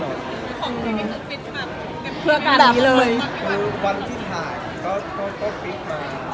และมีใช้ประโยชน์ให้ความสุข